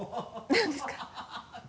何ですか？